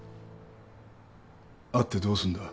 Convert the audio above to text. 会ってどうすんだ？